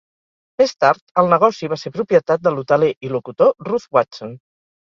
Més tard, el negoci va ser propietat de l'hoteler i locutor Ruth Watson.